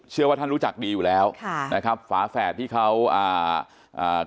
เชื่อว่าท่านรู้จักดีอยู่แล้วค่ะนะครับฝาแฝดที่เขาอ่าอ่า